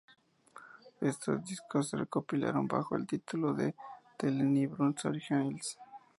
Estos discos se recopilaron bajo el título de "The Lenny Bruce Originals.